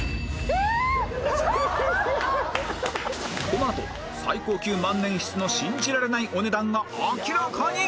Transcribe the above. このあと最高級万年筆の信じられないお値段が明らかに！